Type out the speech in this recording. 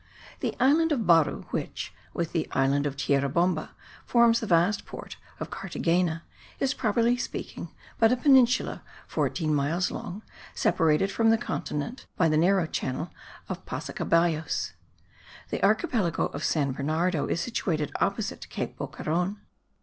The island of Baru which, with the island of Tierra Bomba, forms the vast port of Carthagena, is, properly speaking, but a peninsula fourteen miles long, separated from the continent by the narrow channel of Pasacaballos. The archipelago of San Bernardo is situated opposite Cape Boqueron.